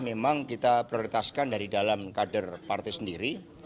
memang kita prioritaskan dari dalam kader partai sendiri